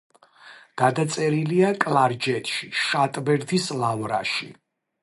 გადაწერილია კლარჯეთში, შატბერდის ლავრაში.